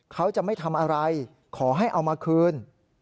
เขาจะไม่ทำอะไรขอให้เอามาคืน